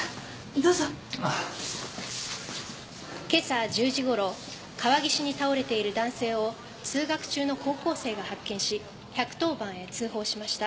けさ１０時ごろ川岸に倒れている男性を通学中の高校生が発見し１１０番へ通報しました。